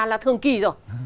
là thường kỳ rồi